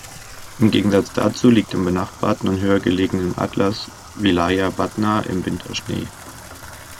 Im Gegensatz dazu liegt im benachbarten und höher gelegenen Atlas-Wilaya Batna im Winter Schnee.